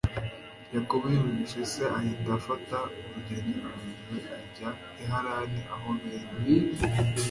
Yakobo yumviye se ahita afata urugendo rurerure ajya i Harani aho bene